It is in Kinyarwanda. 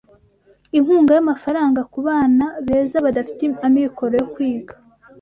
inkunga y'amafaranga kubana beza badafite amikoro yo kwiga